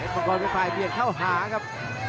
เห็นพลังกรไปฝ่ายเปลี่ยนเข้าหาครับ